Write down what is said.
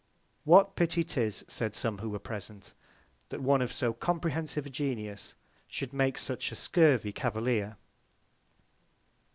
What Pity 'tis, said some who were present, that one of so comprehensive a Genius, should make such a scurvy Cavalier?